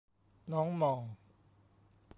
น้องหม่อง